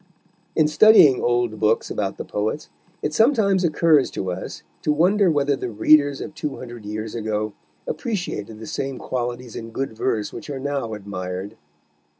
In studying old books about the poets, it sometimes occurs to us to wonder whether the readers of two hundred years ago appreciated the same qualities in good verse which are now admired.